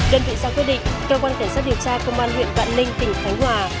đơn vị xã quyết định cơ quan cảnh sát điều tra công an huyện vạn ninh tỉnh thánh hòa